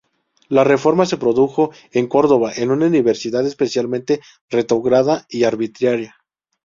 La Reforma se produjo en Córdoba en una universidad especialmente retrógrada y arbitraria.